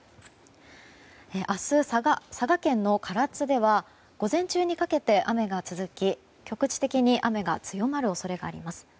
明日、佐賀県の唐津では午前中にかけて雨が続き、局地的に雨が強まる恐れがあります。